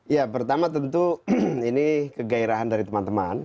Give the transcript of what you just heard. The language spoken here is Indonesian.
ya pertama tentu ini kegairahan dari teman teman